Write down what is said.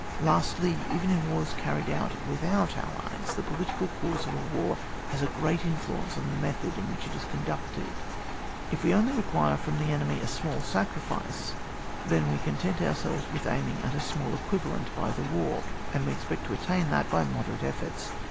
Lastly, even in wars carried on with out allies, the political cause of a war has a great influence on the method in which it is conducted. If we only require from the euOTay a small sacrifice, tiien we content ourselves with aiming at a small equivalent by the war, and we expect to attain that by moderate efforts.